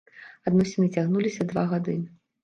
Адносіны цягнуліся два гады.